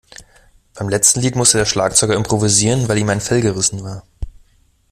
Beim letzten Lied musste der Schlagzeuger improvisieren, weil ihm ein Fell gerissen war.